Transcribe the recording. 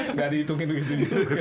nggak dihitungin gitu